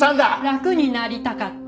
「楽になりたかった」。